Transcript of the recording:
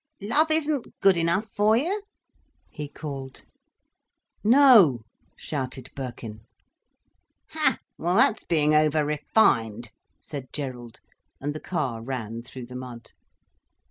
"Love isn't good enough for you?" he called. "No!" shouted Birkin. "Ha, well that's being over refined," said Gerald, and the car ran through the mud.